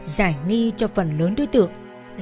giải nghi cho phần lớn đối tượng